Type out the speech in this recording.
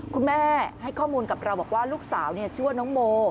คุณแม่ให้ข้อมูลกับเราบอกว่าลูกสาวชื่อว่าน้องโม